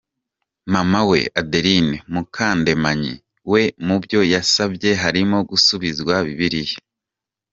Mama we Adeline Mukandemanyi we mu byo yasabye harimo gusubizwa Bibiliya.